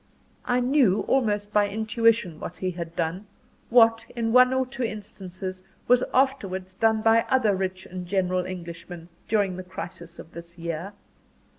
I knew, almost by intuition, what he had done what, in one or two instances, was afterwards done by other rich and generous Englishmen, during the crisis of this year.